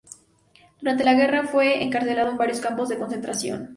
Durante la guerra, fue encarcelado en varios campos de concentración.